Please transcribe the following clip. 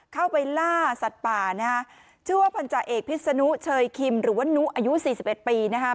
เข้าไปล่าสัตว์ป่านะฮะชื่อว่าพันธาเอกพิษนุเชยคิมหรือว่านุอายุสี่สิบเอ็ดปีนะครับ